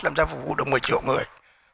làm ra phục vụ được một mươi triệu người